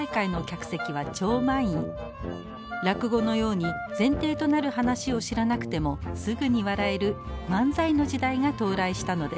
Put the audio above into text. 落語のように前提となる話を知らなくてもすぐに笑える漫才の時代が到来したのです。